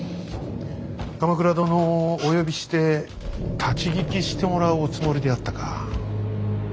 鎌倉殿をお呼びして立ち聞きしてもらうおつもりであったか。